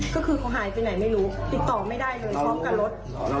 ก็คือเขาหายไปไหนไม่รู้ติดต่อไม่ได้เลยพร้อมกับรถ